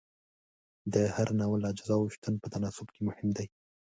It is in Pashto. د هر ناول اجزاو شتون په تناسب کې مهم دی.